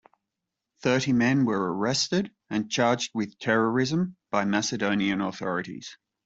Thirty men were arrested and charged with terrorism by Macedonian authorities.